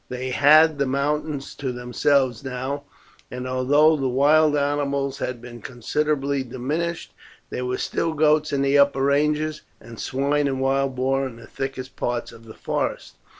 They had the mountains to themselves now, and although the wild animals had been considerably diminished, there were still goats in the upper ranges, and swine and wild boar in the thickest parts of the forests.